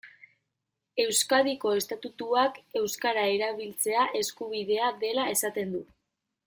Euskadiko estatutuak euskara erabiltzea eskubidea dela esaten du.